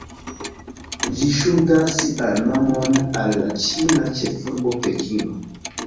Ĝi ŝuldas sian nomon al la ĉina ĉefurbo Pekino.